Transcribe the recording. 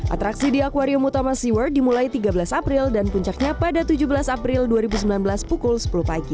atraksi di akwarium utama seaword dimulai tiga belas april dan puncaknya pada tujuh belas april dua ribu sembilan belas pukul sepuluh pagi